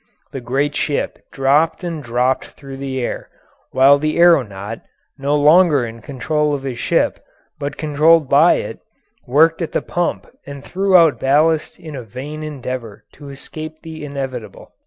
The great ship dropped and dropped through the air, while the aeronaut, no longer in control of his ship, but controlled by it, worked at the pump and threw out ballast in a vain endeavour to escape the inevitable.